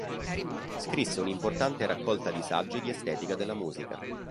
Scrisse un importante raccolta di saggi di Estetica della Musica.